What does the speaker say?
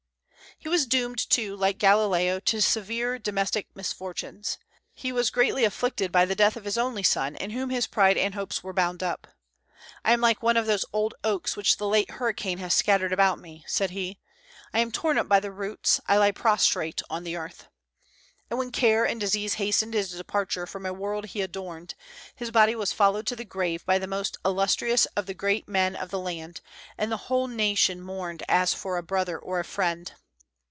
He was doomed, too, like Galileo, to severe domestic misfortunes. He was greatly afflicted by the death of his only son, in whom his pride and hopes were bound up. "I am like one of those old oaks which the late hurricane has scattered about me," said he. "I am torn up by the roots; I lie prostrate on the earth." And when care and disease hastened his departure from a world he adorned, his body was followed to the grave by the most illustrious of the great men of the land, and the whole nation mourned as for a brother or a friend.